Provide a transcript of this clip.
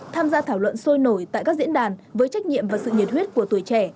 tham gia thảo luận sôi nổi tại các diễn đàn với trách nhiệm và sự nhiệt huyết của tuổi trẻ